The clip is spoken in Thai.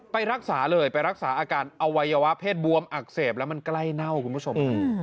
ไปรักษาเลยไปรักษาอาการอวัยวะเพศบวมอักเสบแล้วมันใกล้เน่าคุณผู้ชมครับ